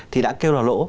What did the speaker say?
thì đã kêu là lỗ